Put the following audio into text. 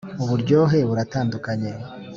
uburyohe buratandukanye.